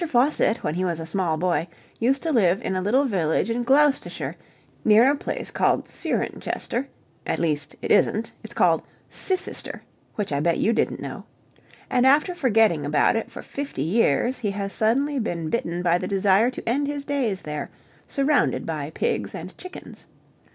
Faucitt, when he was a small boy, used to live in a little village in Gloucestershire, near a place called Cirencester at least, it isn't: it's called Cissister, which I bet you didn't know and after forgetting about it for fifty years, he has suddenly been bitten by the desire to end his days there, surrounded by pigs and chickens.